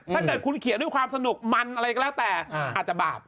ถ้าเกิดคุณเขียนด้วยความสนุกมันอะไรก็แล้วแต่อาจจะบาป